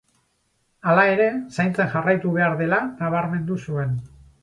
Hala ere, zaintzen jarraitu behar dela nabarmendu zuen.